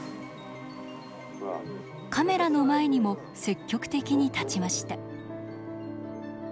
カメラの前にも積極的に立ちました。